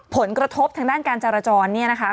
ผลกระทบทางด้านการจราจรเนี่ยนะคะ